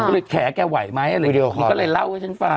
เลยแข่แควัยไหมอายแขมันว่าเอาไว้ก่อน